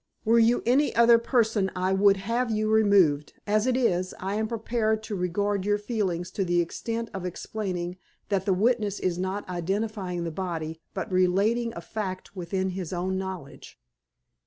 Were you any other person I would have you removed. As it is, I am prepared to regard your feelings to the extent of explaining that the witness is not identifying the body but relating a fact within his own knowledge."